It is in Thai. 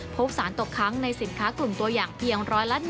พบสารตกค้างในสินค้ากลุ่มตัวอย่างเพียง๑๐๑